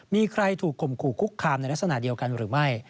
มีใครถูกข่มขู่คุกคามในลักษณะเดียวกันหรือไม่